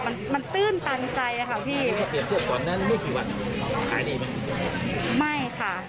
มันมันตื้นตันใจอ่ะค่ะพี่ตอนนั้นไม่กี่วันไม่ค่ะ